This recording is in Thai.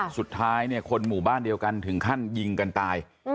สุดท้ายเนี่ยคนหมู่บ้านเดียวกันถึงขั้นยิงกันตาย